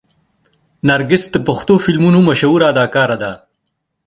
نرګس د پښتو فلمونو مشهوره اداکاره ده.